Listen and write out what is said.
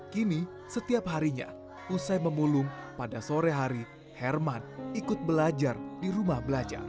kini setiap harinya usai memulung pada sore hari herman ikut belajar di rumah belajar